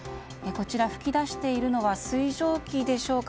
噴き出しているのは水蒸気でしょうか。